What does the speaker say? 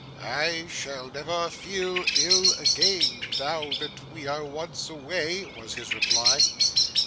'I shall never feel ill again, now that we are once away,' was his reply.